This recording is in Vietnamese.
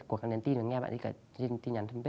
của các nền tin và nghe bạn ấy